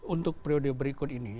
untuk periode berikut ini